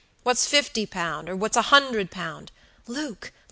What's fifty pound, or what's a hundred pound" "Luke!